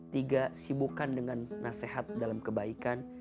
tiga sibukan dengan nasihat dalam kebaikan